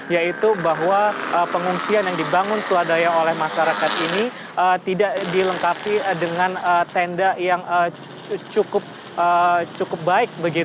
yaitu bahwa pengungsian yang dibangun swadaya oleh masyarakat ini tidak dilengkapi dengan tenda yang cukup baik